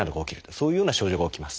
そういうような症状が起きます。